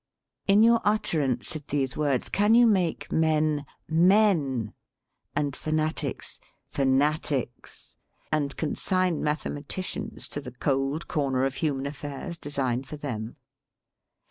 In your utterance of these words can you make "men" MEN, and "fanatics" fanatics, and consign "mathematicians" to the cold corner of human affairs designed for them?